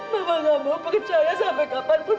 mama nggak mau percaya sampai kapanpun